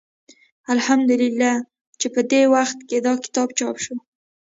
الحمد لله چې په دې وخت کې دا کتاب چاپ شو.